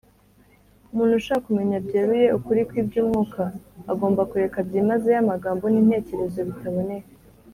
umuntu ushaka kumenya byeruye ukuri kw’iby’umwuka agomba kureka byimazeyo amagambo n’intekerezo bitaboneye